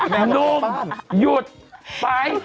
แมมนุ่มหยุดไป